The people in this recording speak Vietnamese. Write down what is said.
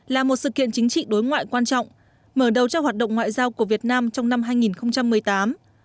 là một sự kiện chính trị đối ngoại quan trọng mở đầu cho hoạt động ngoại giao của việt nam trong năm hai nghìn một mươi tám